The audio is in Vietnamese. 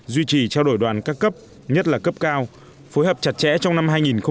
duy trì trao đổi đoàn các cấp nhất là cấp cao phối hợp chặt chẽ trong năm hai nghìn một mươi chín hai nghìn hai mươi